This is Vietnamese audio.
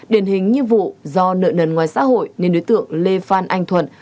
điển hình như vụ do nợ nần ngoài xã hội nên đối tượng lê phan anh thuận